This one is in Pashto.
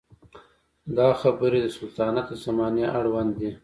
دا خبرې د سلطنت د زمانې اړوند دي.